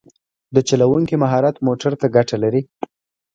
د چلوونکي مهارت موټر ته ګټه لري.